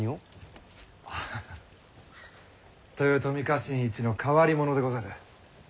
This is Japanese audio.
ああ豊臣家臣一の変わり者でござる。